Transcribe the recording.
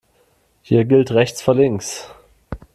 Hier gilt rechts vor links.